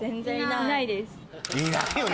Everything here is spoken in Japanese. いないよね